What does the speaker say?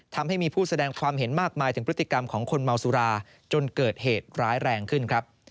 ทำให้มีผู้แสดงความเห็นมากมายถึงพฤติกรรมของคนเมาสุราจนเกิดเหตุร้ายแรงขึ้นครับ